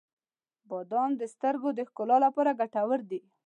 • بادام د سترګو د ښکلا لپاره ګټور دي.